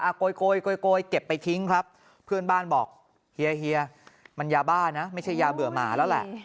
โกยโกยเก็บไปทิ้งครับเพื่อนบ้านบอกเฮียเฮียมันยาบ้านะไม่ใช่ยาเบื่อหมาแล้วแหละ